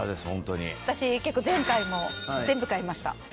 私結構前回も全部買いました。